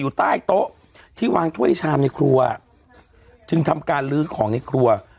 ใต้โต๊ะที่วางถ้วยชามในครัวจึงทำการลื้อของในครัว